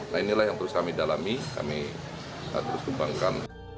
nah inilah yang terus kami dalami kami terus kembangkan